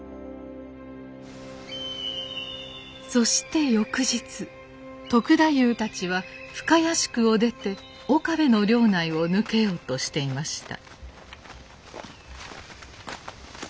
そして翌日篤太夫たちは深谷宿を出て岡部の領内を抜けようとしていました。